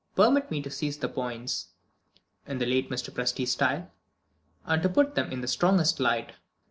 Permit me to seize the points (in the late Mr. Presty's style) and to put them in the strongest light.